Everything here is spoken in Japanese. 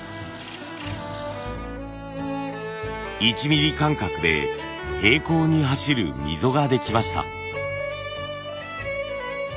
１ミリ間隔で平行に走る溝ができました。